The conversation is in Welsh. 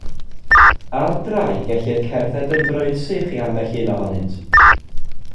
Ar drai gellir cerdded yn droedsych i ambell un ohonynt.